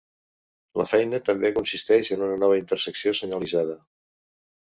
La feina també consisteix en una nova intersecció senyalitzada.